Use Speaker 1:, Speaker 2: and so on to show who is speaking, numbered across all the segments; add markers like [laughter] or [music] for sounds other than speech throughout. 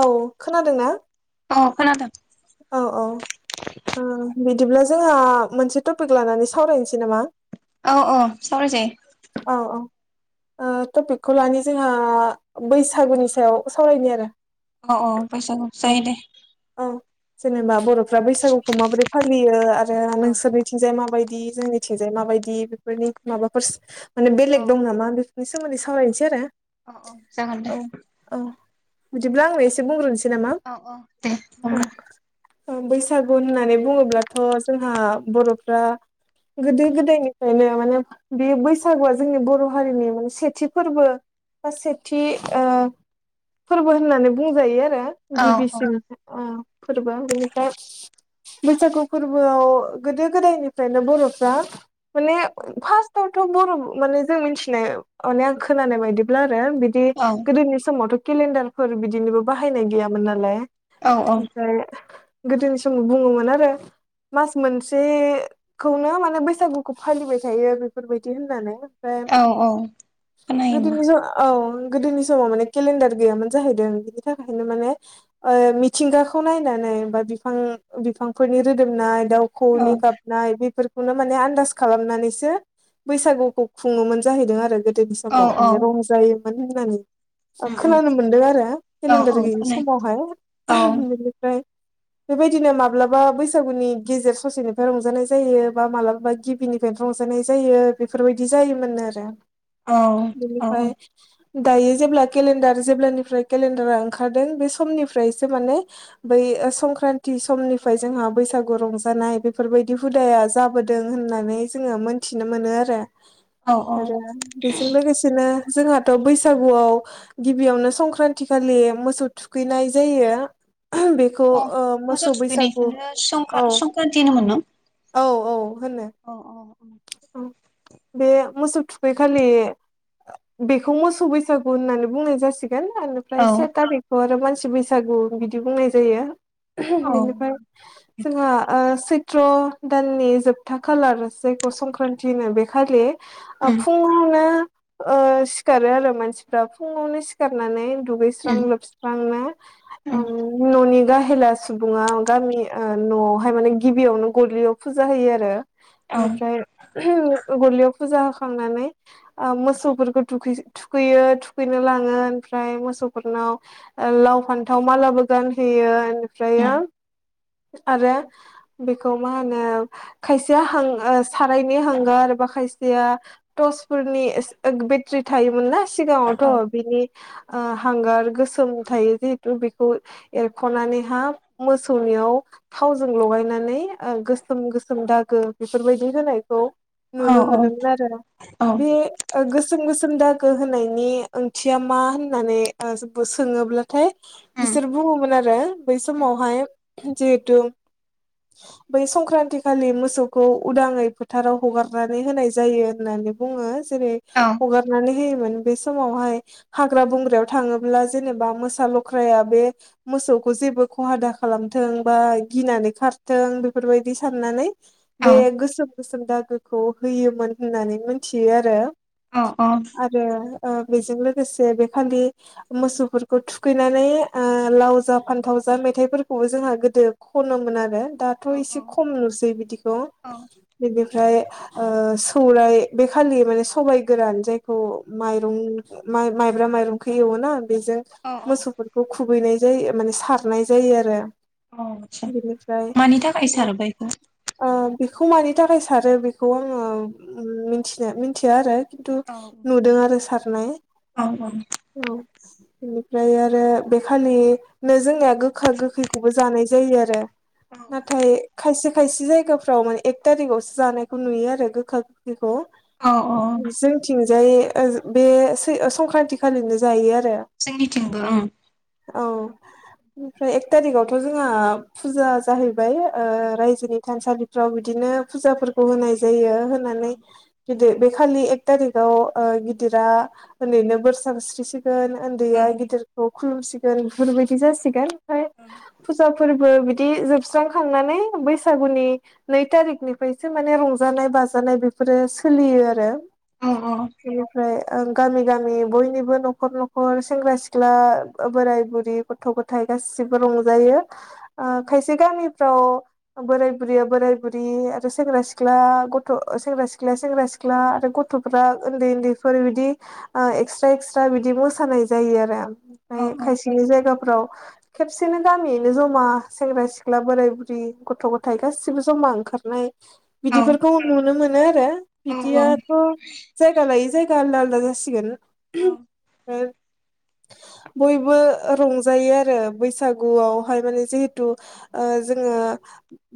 Speaker 1: औ खोनादोंना
Speaker 2: औ खोनादों
Speaker 1: औ औ ओ बिदिब्ला जोंहा मोनसे टपिक लानानै सावरायनोसै नामा
Speaker 2: औ - औ सावरायजायो
Speaker 1: औ औ टपिकखौ लानो जोंहा बैसागुनि सायाव सावरायनाय आरो
Speaker 2: अ औ फैसाखौ जायो दे
Speaker 1: औ जेनेबा बर'फ्रा बैसागुखौ माबोरै फालियो आरो
Speaker 2: औ
Speaker 1: नोंसोरनिथिंजाय माबायदि बिदि जोंनिथिंजाय माबायदि बेफोरनि माबाफोर माने
Speaker 2: औ
Speaker 1: बेलेग दं नामा बे नि सोमोन्दै सावरायायनोसै आरो
Speaker 2: औ - औ जागोन
Speaker 1: औ
Speaker 2: दे
Speaker 1: औ बिदिब्ला आंनो एसे बुंग्रोनोसै नामा
Speaker 2: औ औ दे
Speaker 1: औ
Speaker 2: होमब्ला
Speaker 1: बैसागु होननानै बुङोब्लाथ' जोंहा बर'फ्रा गोदो गोदायनिफ्रायनो माने बे बैसागुआ जोंनि बर' हारिनि माने सेथि फोरबो बा सेथि फोरबो होननानै बुंजायो
Speaker 2: औ औ
Speaker 1: गिबिसिन फोरबो बेनिफ्राय बैसागु फोरबोआव गोदो गोदायनिफ्रायनो बर'फ्रा माने फार्स्टावथ' बर' माने जों मिथिनाय माने आं खोनानाय बायदिब्ला बिदि
Speaker 2: औ
Speaker 1: गोदोनि समावथ' केलेन्डारफोर बिदिनोबो बाहायनाय गैयामोन नालाय
Speaker 2: औ - औ
Speaker 1: ओमफ्राय गोदोनि समाव बुंङोमोन आरो मास मोनसेखौनो माने बैसागुखौ फालिबाय थायो बेफोरबायदि होननानै ओमफ्राय
Speaker 2: औ औ
Speaker 1: गोदोनि
Speaker 2: खोनायोमोन
Speaker 1: ज औ गोदोनि समाव माने केलेन्डार गैयामोन जाहैदों बिनि थाखायनो माने मिथिंगा खौ नायनानै बा बिफां बिफांफोरनि रोदोमनाय
Speaker 2: औ
Speaker 1: दाउखौनि गाबनाय बे खौनो माने आन्दास खालामनानैसो बैसागुखौ खुंङोमोन जाहैदों आरो गोदोनि
Speaker 2: औ
Speaker 1: समाव
Speaker 2: औ
Speaker 1: माने रंजायोमोन होननानै
Speaker 2: उम उम
Speaker 1: खोनानो मोनदों आरो
Speaker 2: औ
Speaker 1: केलेन्डार
Speaker 2: औ
Speaker 1: गैयि
Speaker 2: खोनायो
Speaker 1: समावहाय
Speaker 2: औ
Speaker 1: बेनिफ्राय बेबायदिनो माब्लाबा बैसागुनि गेजेर ससेनिफ्राय रंजानाय जायो बा माब्लाबा गिबिनिफ्रायनो रंजा जानाय जायो बेफोरबायदि जायोमोन आरो
Speaker 2: औ औ
Speaker 1: बेनिफ्राय दायो जेब्ला केलेन्डार जेब्लानिफ्राय केलेन्डारा ओंखारदों बे समनिफ्रायसो माने बै संक्रान्ति समनिफ्राय जोंहा बैसागु रंजानाय बेफोरबायदि हुदाया जाबोदों होन होननानै जोंङो मोनथिनो मोनो आरो
Speaker 2: औ औ
Speaker 1: आरो बेजों लोगोसेनो जोंहाथ' बैसागुआव गिबियावनो संक्रान्ति खालि मोसौ थुखैनाय जायो । बेखौ
Speaker 2: औ
Speaker 1: मोसौ बैसागु
Speaker 2: थुखैनायखौनो
Speaker 1: औ
Speaker 2: संक्रान संक्रान्ति होनोमोन न'
Speaker 1: औ - औ होनो
Speaker 2: औ
Speaker 1: औ बे मोसौ थुखैखालि बेखौ मोसौ बैसागु होननानै बुंनाय जासिगोन
Speaker 2: औ
Speaker 1: निफ्राय से दा बेखौ आरो मानसि बैसागु बिदि बुंनाय जायो।
Speaker 2: औ
Speaker 1: बेनिफ्राय
Speaker 2: उम
Speaker 1: जोंहा सैथ्र' दाननि जोबथा खालार जायखौ संक्रान्ति होनो बेखालि
Speaker 2: उम
Speaker 1: फुङावनो सिखारो आरो मानसिफ्रा फुङावनो सिखारनानै दुगैसां लोब्रांना
Speaker 2: उम
Speaker 1: न'नि गा हेला सुबुङा गामि न'आवहाय माने गिबियावनो गलियाव फुजा होयो आरो।
Speaker 2: औ उम
Speaker 1: बेनिफ्राय गलियाव फुजा होखांनानै मोसौफोरखौुथुखैयो थुखैनो लाङो ओमफ्राय मो मोसौफोरनाव लाव फान्थाव मालाबो गानहैयो ओमफ्रयो आरो बेखौ मा होनो खायसेया हां सारायनि हांगार बा खायसेया टर्चफोरनि बेटारि थायोमोन ना सिगाङावथ'
Speaker 2: औ
Speaker 1: बिनि हांगार गोसोम थायो जिहेतु बेखौ एरख'नानैहा मोसौनि थावजों लगायनानै गोसोम गोसोम दागो बेफोरबायदि होनायखौ
Speaker 2: औ
Speaker 1: नुनो
Speaker 2: औ
Speaker 1: मोनोमोन आरो
Speaker 2: औ उम
Speaker 1: बे गोसोम गोसोम दागो होनायनि ओंथिया मा होननानै सोङोब्लाथाय
Speaker 2: उम
Speaker 1: बिसोर बु बुङोमोन आरो बै समावहाय जिहेथु बै संक्रान्ति खालि मोसौ खौ उदाङै फोथाराव हगारनानै होनाय जायो होननानै बुङो जेरै
Speaker 2: औ
Speaker 1: हगनानैनानै हो मोन बे समावहाय हाग्रा बंग्रायाव थाङोब्ला जेनेबा मोसा लख्राया बे मोसौ गखौ जेबो खहा दा खालामथों बा गिनानै खारथों बेफोरबायदि साननानै बे गोसोम गोसोम दागोखौ होयोमोन होननानै मिथियो आरो
Speaker 2: औ औ
Speaker 1: आरो बेजों लोगोसे बेखान्दि मोसौफोरखौ थुखैनानै लाव जा फान्थाव राजा मेथाइफोरखौबो जोंहा गोदो खनोमोन आरो। दाथ'
Speaker 2: औ
Speaker 1: एसे खम नुसै बिदिखौ
Speaker 2: औ
Speaker 1: बेनिफ्राय सौराय बे खालि माने सबाय गोरान जायखौ माइरं माइब्रा माइरंखौ एवोना बेजों
Speaker 2: औ औ
Speaker 1: मोसौफोरखौ खुबैनाय जायो माने सारनाय जायो आरो।
Speaker 2: आदसा
Speaker 1: बिनिफ्राय
Speaker 2: मानि थाखाय सारो बेखौ
Speaker 1: आ बेखौ मानि थाखाय सारो बेखौ आङो मिथिनो मिथिया आरो खिन्थु
Speaker 2: औ
Speaker 1: नुदों आरो सारनाय
Speaker 2: औ
Speaker 1: औ बेनिफ्राय आरो बेखालिनो जोंनिया गोखा गोखै खौबो जानाय जायो आरो
Speaker 2: औ
Speaker 1: नाथाय खायसे खायसे जायगाफोराव माने एक थारिकावसो जानायखौ नुयो आरो गोखा गोखै खौ।
Speaker 2: औ औ
Speaker 1: जोंथिंजाय बे संक्रान्ति खालिनो जायो आरो।
Speaker 2: सिनिथिंबो
Speaker 1: औ ओमफ्राय एक थारिकावथ' जोंहा फुजा जाहैबाय रायजोनि थानसालि फ्राव बिदिनो फुजाफोरखौ होनाय जायो होनानै गिदिर बे खालि एक थारिकाव गिदिरा ओरैनो बोरस्रा स्रि सो
Speaker 2: औ
Speaker 1: उन्दैया गिदिरखौ खुलुमसिगोन बेफोरबायदि जासिगोन ओमफ्राय
Speaker 2: औ
Speaker 1: फुजा फोरबो बिदि जोबस्रांखांनानै बैसागुनि नै थारिकनिफ्रायसो माने रंजानाय बाजानाय बेफोरो सोलियो आरो।
Speaker 2: औ
Speaker 1: बेनिफ्राय गामि गामि बयनिबो न'खर न'खर सेंग्रा सिख्ला बोराय बुरि गथ' गथाय गासिबो रंजायो खायसे गामिफ्राव बोराइ बुरैया बोराइ बुरि आरो सेंग्रा सिख्ला गथ' सेंग्रा सिख्ला सेंग्रा सिख्ला आरो गथ'फ्रा उन्दै उन्दै फोर बिदि एक्सट्रा एक्सट्रा बिदि मोसानाय जायो आरो।
Speaker 2: औ
Speaker 1: ओ खायसेनि जायगाफ्राव खेबसेनो गामियैनो ज'मा सेंग्रा सिख्ला बोराय बुरै गथ' गथाय गासिबो ज'मा ओंखारनाय बिदिफोरखौ नुनो मोनो आरो
Speaker 2: औ
Speaker 1: बिदियाथ' जायगा लायै जायगा आलदा आलदा जासिगोन
Speaker 2: औ
Speaker 1: [unintelligible] बयबो रंजायो आरो बैसागुआवहाय माने जिहेथु ओ जोङो ओ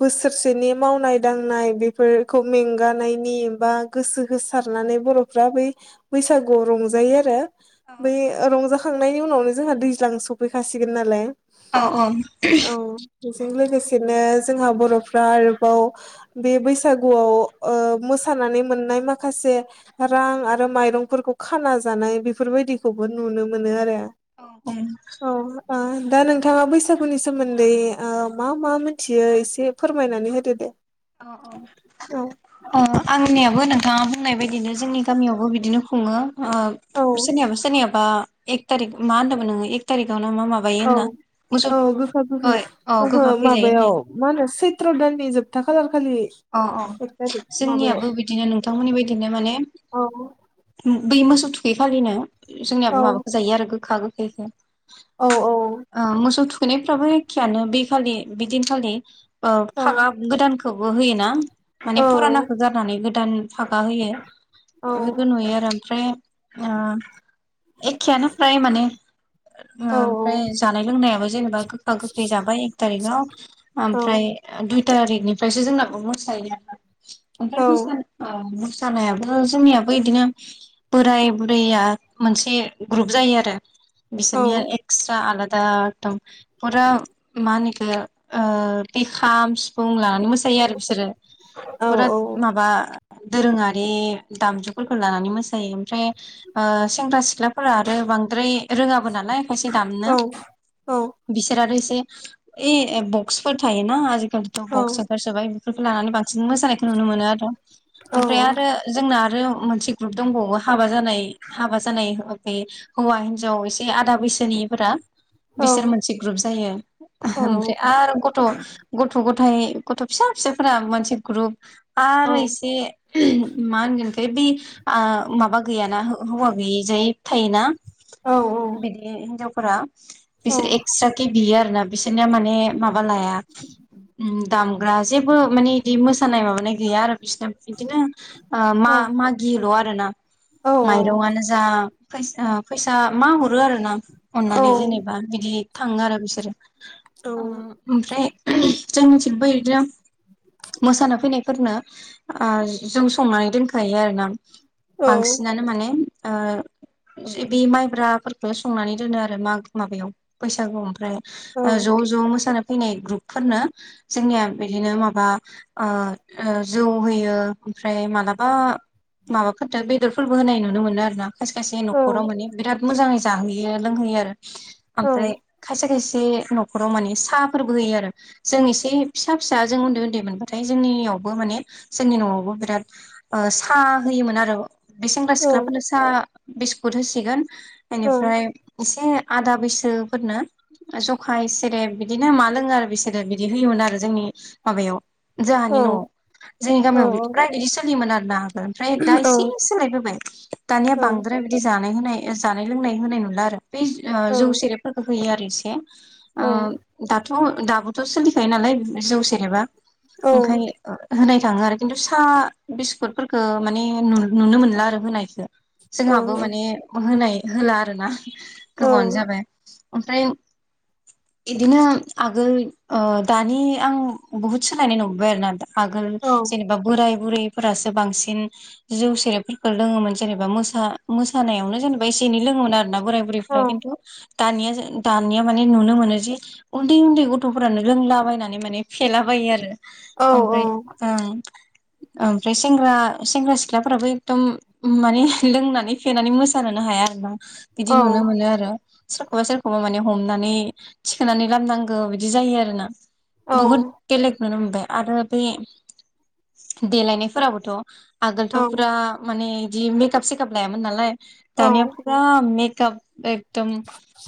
Speaker 1: बोस सोरसेनि मावनाय दांनाय बेफोरखौ मेंगानायनि बा गोसो होसारनानै बर' फ्रा बै बैसागुआव रंजायो आरो बै रंजाखांनायनि उनावनो जोंहा दैज्लां सफैखाासिगोन नालाय
Speaker 2: औ
Speaker 1: औ बेजों लोगोसेनो जोंहा बर' फ्रा आरोबाव बे बैसागुआव मोसानानै मोननाय माखासे रां आरो माइरंफोरखौ खाना जानाय बेफोरबायदिखौबो नुनो मोनो आरो
Speaker 2: औ औ
Speaker 1: औ ओ दा नोंथाङा बैसागुनि सोमोन्दै ओ मा मा मिथियो एसे फोरमायनानै होदो दे औ
Speaker 2: अ आंनियाबो नोंथाङा बुंनाय बदिनो जोंनि गामियावबो बिदिनो खुङो
Speaker 1: औ
Speaker 2: ओ सोरनियाबा सोरनियाबा एक थारिक मा होनदोंमोन नोङो एक थारिकाव मा माबायो
Speaker 1: औ
Speaker 2: होनना मोसौ
Speaker 1: औ गोखा गोखै
Speaker 2: औ
Speaker 1: ओहो
Speaker 2: गोखा खै जायो होननाय
Speaker 1: माबायाव मा होनो सैथ्र' दाननि जोबथा खालार खालि
Speaker 2: अ औ
Speaker 1: एक थारिख माबायाव
Speaker 2: जोंनियाबो बिदिनो नोंथांमोननि बादिनो माने
Speaker 1: औ
Speaker 2: बे मोसौ थु बेखालिनो जोंनियाबो
Speaker 1: औ
Speaker 2: माबाखौ जायो आरो गोखा गोखैखौ
Speaker 1: औ
Speaker 2: ओ मोसौ फोनायफ्राबो एखेयानो बे खालि बिदिनखालि ओ
Speaker 1: औ
Speaker 2: फागा गोदानखौ होयोना
Speaker 1: औ
Speaker 2: माने फुरानाखौ गारनानै गोदान भागा होयो
Speaker 1: औ
Speaker 2: बेखौ नुयो आरो ओमफ्राय एखेयानो फ्राय माने ओ
Speaker 1: औ
Speaker 2: ओमफ्राय जानाय लोंनायाबो जेनेबा गोखा गोखै जाबाय एक थारिकाव
Speaker 1: औ
Speaker 2: ओमफ्राय दुइ थारिखनिफ्रायसो जोंनाबो मोसायो
Speaker 1: औ
Speaker 2: [unintelligible] सानायाबो जोंनियाबो बिदिनो बोराय बुरैया मोनसे ग्रुप जायो आरो
Speaker 1: औ
Speaker 2: बिसोरनिया एक्सट्रा आलादा [unintelligible] मा होनो बिखो ओ बि खाम सिफुं लाना नै मोसायो आरो बिसोरो [unintelligible] माबा दोरोङारि दामजुफोरखौ लानानै मोसायो ओमफ्राय ओ सेंग्रा सिख्ला फोरा आरो बांद्राय रोङाबो नालाय खायसे दामनो
Speaker 1: औ
Speaker 2: बिसोर आरो इ बक्सफोर थायो ना आजिखालिथ'
Speaker 1: औ
Speaker 2: बक्स ओंखारसोबाय बेफोरखौ लानानै बांसि मोानायखौ नुनो मोनो आरो ओमफ्राय आरो जोंना आरो मोनसे ग्रुब दंबावो हाबा जानाय हाबा जानाय हौवा हिनजाव एसे आदा बैसो सोरनिफोरा बिसोर मोनसे ग्रुप जायो ओमफ्राय आरो गथ' गथ' गथायाइ गथ' फिसा फिसाफोरा मोनसे ग्रुप
Speaker 1: औ
Speaker 2: आरो एसे मा होनगोन बे बे माबा गैयाना हौवा गैयिजायै थायोना बिदि हिनजावफोरा बिसोर एक्सट्रा केे बियो आरोना बिसोरनिया माने माबा लाया दामग्रा जेबो माने बिदि मोसानाय माबानाय गैया आरो बिसना बिदिनो मा मागियोल' आरोना माइरंआनो जा फैसा मा हरो आरो ना अननानै जेनेबा बिदि थाङो आरो बिसोरो आ ओमफ्राय जोंनिथिंबो बिदिनो मोसानो फैनायफोरनो ओ जों संनानै दोनखायो आरोना बांसिनानो माने ओ बे माइब्राफोरखौ संनानै दोनो आरो मा माबायाव बैसागु ओमफ्राय ज' ज' मोसानो फैनाय ग्रुपफोरनो जोंनिया बिदिनो माबा जौ होयो ओमफ्राय मालाबा माबाफोरजों बेदरफोरबो होनाय नुनो मोनो आरोना खायसे खायसे न'खराव माने बिराद मोजाङै जाहोयो लोंहोयो आरो ओमफ्राय खायसे खायसे से न'खराव माने साफोरबो होयो आरो जोंनि फिसा फिसा जोंन्दै उन्दै मोनबाथाय जोंनियावबो मान जोंनि न'आवबो बिराद सा सा होयोमोन आरो बे सेंग्रा सिख्लाफोरनो सा बिस्कुट होसिगोन बेनिफ्राय एसे आदा बैसोफोरनो जखाय सेरेब बिदिनो मा लोङो आरो बिसोरे बिदि बिदि होयोमोन आरो जोंनि माबायाव जोंहानि न'आव जोंनि गामियाव फाय बिदि सोलियोमोन आरोना आगोल ओमफ्राय दा इसे सोलायबोबाय दानिया बांद्रा द्राय बिदि जानाय होनाय जानाय लोंनाय होनाय नंला आरो बेै जौ सेरेबफोरखौ होयो आरो एसे ओ दाथ' दाबोथ' सोलिखायो नालाय जौ सेरेबा ओंखाय होनाय थाङो आरो खिन्थु सा बिस्कुटफोरखौ माने नुनो मोनला आरो होनायखो जोंहाबो माने होनाय होला आरोना गोबावानो जाबाय ओमफ्राय यिदिनो आगोल ओ दानि आं बुहुद सोलायनाय नुुबबाय आरोना आगोल जेनेबा बोराय बुरै फोरासो बांसिन जौ सेरेबफोरखौ लोङोमोन जेनेबा म मोसानायावनो जेनेबा एसे‌ एनै लोङोमोन आरो ना बोराय बुरैफोरा खिन्थु दानिया दानिया माने नुनो मोनो जे उन्दै उन्दै गथ' गथ'फोरानो रोंलाबायनानै माने फेलाबायो आरो ओमफ्राय ओं ओमफ्राय सेंग्रा सेंग्रा सिख्लाफोराबो एखदम माने लोंनानै फेनानै मोसानोनो हाया आरोना बिदि नुनो मोनो आरो सोरखौबा सोरखौबा माने हमनानै थिखोनानै लामनांगौ बिदि बिदि जायो आरो ना बुहुत बेलेग नुनो मोनबाय आरो बे देलायनायफोराबोथ' आगोलथ' फुरा माने यिदि मेकआप सेकाप लायामोन नालाय दानिया फुरा मेकाप काप एकदम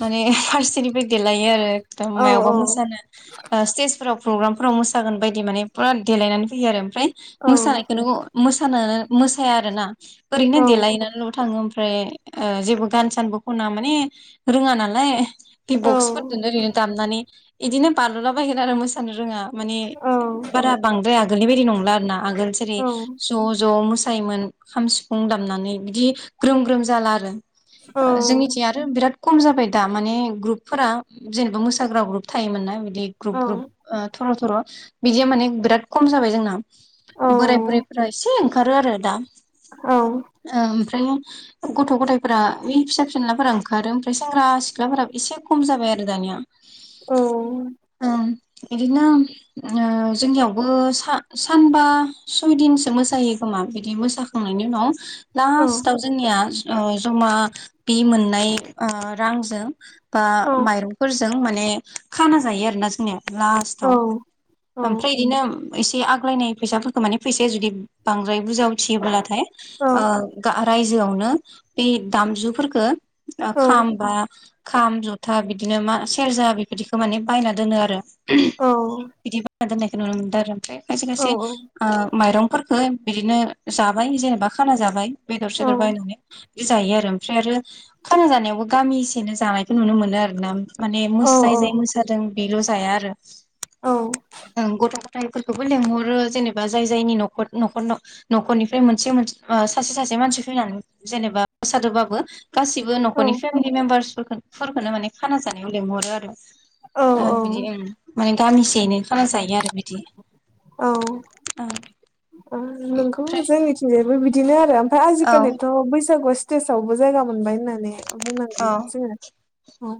Speaker 2: माने फारसेनिफ्राय देलायो आरो एकदम मायावबा मोसा नों स्टेज फोराव प्रग्राम फोराव मोसागोन बायदि माने फुरा देलायनानै फैयो आरो ओमफ्राय मोसानायखौ मोसाया आरोना ओरैनो देलायनानैल' थाङो ओमफ्राय ओमफ्राय जेबो गान सानबो खना माने रोङा नालाय बे बक्सफोरदोनो ओरैनो दामनानै यिदिनो बाद्लला बायगोन आरो मोसानो रोङा माने बारा बांद्राय आगोलनि बायदि नंला आरोना आगोल जेरै
Speaker 1: औ
Speaker 2: ज' ज' मोसा सायोमोन खाम सिफुं दामनानै बिदि ग्रोम ग्रोम जाला आरो
Speaker 1: औ
Speaker 2: जोंनिथिं आरो बिराद खम जाबाय दा माने ग्रुपफोरा जेनेबा मोसाग्रा ग्रुप थायोमोन ना बिदि
Speaker 1: औ
Speaker 2: ग्रुप ग्रुप थर' थर' बिदिया माने बिराद खम जाबाय जोंना
Speaker 1: औ
Speaker 2: बोराय बुरैफोरा एसे ओंखारो आरो दा
Speaker 1: औ
Speaker 2: ओमफ्राय गथ' गथायफोरा बे फिसा फेनलाफोरा ओंखारो ओमफ्राय सेंग्रा सिख्लाफोरा एसे खम जाबाय आरो आरो दानिया
Speaker 1: औ
Speaker 2: ओं बिदिनो जोंनियावबो सानबा सयदिनसो मोसायो खो मा बिदि मोसाखांनायनि उनाव
Speaker 1: औ
Speaker 2: लास्टाव जोंनिया जमा बि मोननाय रांजों बा
Speaker 1: औ
Speaker 2: माइरंफोरजों माने खाना जायो आरोना जोंनिया
Speaker 1: औ
Speaker 2: लास्टाव ओमफ्राय यिदिनो एसे आग्लायनाय फैसाफोरखौ माने फैसाया जुदि बांद्राय बुजावथियोब्लाथाय
Speaker 1: औ
Speaker 2: रायजोआवनो बे दामजुफोरखो खामबा खाम जथा बिदिनो मा सेरजा बि बिदिखौ माने बायना दोनो आरो बिदि बायना दोननायखौ नुनो मोनदों आरो ओमफ्राय खायसे खायसे माइरंफोरखो बिदिनो जाबाय जेनेबा खाना जाबाय बेदर सदर बायनानै बे जायो आरो ओमफ्राय आरो खाना जानायावबो गामिसेनो जानायखौ नुनो मोनो आर ना माने म जाय
Speaker 1: औ
Speaker 2: जाय मोसादों बेल जाया आरो गथ फोरखौबो लेंहरो जेनेबा जाय जायनि नख नखर न'खरनिफ्राय मोनसे सासे सासे मानसि फैनानै जेनेबा मोसादोबाबो गाससिबो न'खरनि फेमिलि मेम्बार्सफोरखौनो माने खाना जानायाव लेंहरो आरो बिदि
Speaker 1: औ
Speaker 2: ओ माने गामिसेयैनो खान जायो आरो बिदि
Speaker 1: औ
Speaker 2: ओमफ्राय
Speaker 1: नोंगौ जोंनिथिंजायबो बिदि बिदिनो आरो ओमफ्राय
Speaker 2: औ
Speaker 1: आजिखालिथ बैसागु स्टेजावबो जायगा मोनबाय होननानै
Speaker 2: औ
Speaker 1: बुंनांगोन जोङो